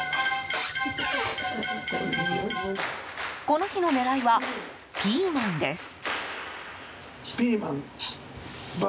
この日の狙いはピーマンです。